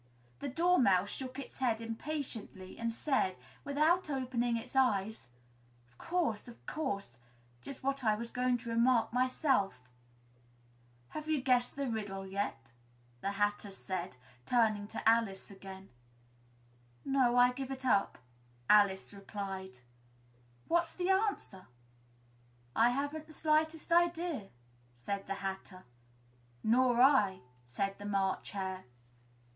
The Dormouse shook its head impatiently and said, without opening its eyes, "Of course, of course; just what I was going to remark myself." "Have you guessed the riddle yet?" the Hatter said, turning to Alice again. "No, I give it up," Alice replied. "What's the answer?" "I haven't the slightest idea," said the Hatter. "Nor I," said the March Hare.